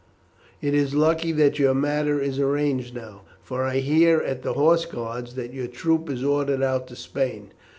It is lucky that your matter is arranged now, for I hear at the Horse guards that your troop is ordered out to Spain.